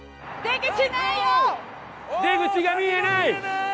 出口が見えない！